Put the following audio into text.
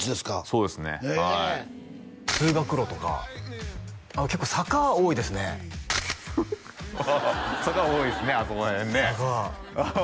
そうですねはい通学路とか結構坂多いですねああ坂多いですねあそこら辺ね坂ああ